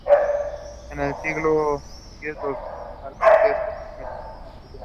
En el siglo X los valacos ya estaban sometidos a Hungría.